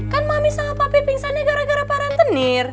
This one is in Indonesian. kan mami sama papi pingsannya gara gara parantenir